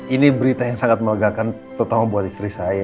ini berita yang sangat melegakan terutama buat istri saya